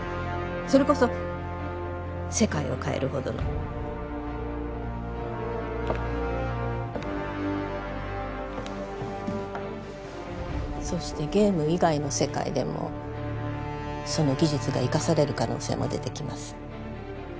それこそ世界を変えるほどのそしてゲーム以外の世界でもその技術が生かされる可能性も出てきます